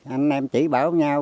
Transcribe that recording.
anh em chỉ bảo nhau